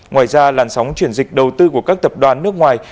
ngoài ra làn sóng chuyển dịch đầu tư của các tập đoàn nước ngoài